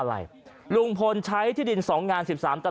ท่านพรุ่งนี้ไม่แน่ครับ